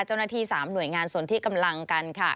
เจ้าหน้าที่๓หน่วยงานส่วนที่กำลังกันค่ะ